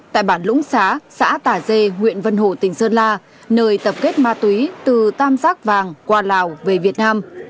tại bản lũng xá xã tà dê huyện vân hồ tỉnh sơn la nơi tập kết ma túy từ tam giác vàng qua lào về việt nam